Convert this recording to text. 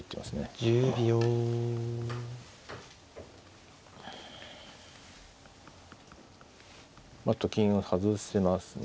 １０秒。と金を外せますね。